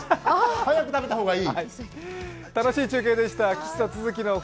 早く食べた方がいい。